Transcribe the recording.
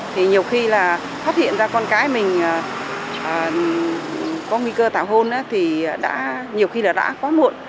thì nhiều khi là phát hiện ra con cái mình có nguy cơ tảo hôn thì đã nhiều khi là đã quá muộn